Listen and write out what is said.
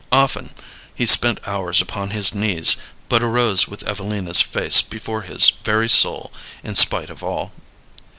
Often he spent hours upon his knees, but arose with Evelina's face before his very soul in spite of all.